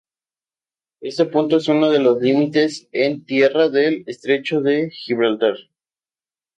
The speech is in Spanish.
Este punto es uno de los límites en tierra del estrecho de Gibraltar.